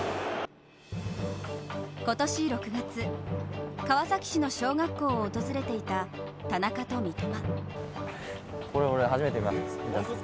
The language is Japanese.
今年６月、川崎市の小学校を訪れていた田中と三笘。